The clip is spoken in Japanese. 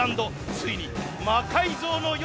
ついに「魔改造の夜」降臨！